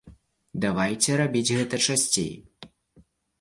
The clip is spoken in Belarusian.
Давайце рабіць гэта часцей.